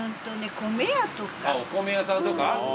お米屋さんとか。